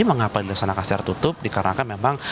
mengapa dilaksanakan secara tertutup dikarenakan memang